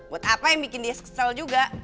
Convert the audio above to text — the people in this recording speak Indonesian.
buat apa yang bikin dia kesel juga